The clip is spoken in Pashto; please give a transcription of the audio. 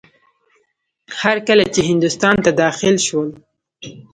هر کله چې هندوستان ته داخل شول.